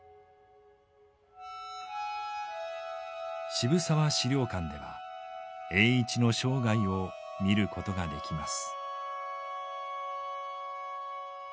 渋沢史料館では栄一の生涯を見ることができます。